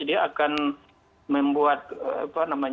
dia akan membuat kebijakan yang lebih baik